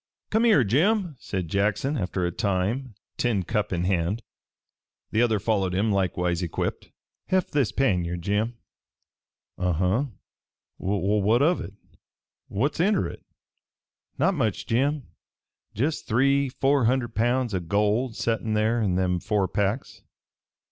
"Come here, Jim," said Jackson after a time, tin cup in hand. The other followed him, likewise equipped. "Heft this pannier, Jim." "Uh huh? Well, what of hit? What's inter hit?" "Not much, Jim. Jest three four hunderd pounds o' gold settin' there in them four packs.